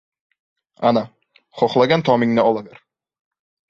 — Ana, xohlagan tomingni olaver.